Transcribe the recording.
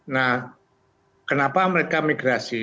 nah kenapa mereka migrasi